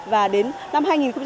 và đến năm hai nghìn hai mươi